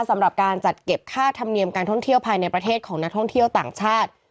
สำหรับการจัดเก็บค่าธรรมเนียมการท่องเที่ยวภายในประเทศของนักท่องเที่ยวต่างชาติ